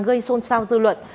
gây xôn xao dư luận